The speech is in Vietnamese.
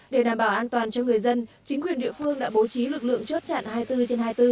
để đảm bảo an toàn cho người dân chính quyền địa phương đã bố trí lực lượng chốt chặn hai mươi bốn trên hai mươi bốn